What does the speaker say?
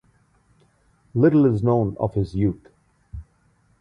Little is known of his youth.